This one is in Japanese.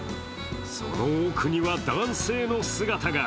その奥には男性の姿が。